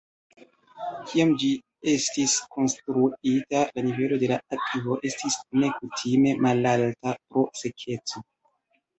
Kiam ĝi estis konstruita la nivelo de la akvo estis nekutime malalta pro sekeco.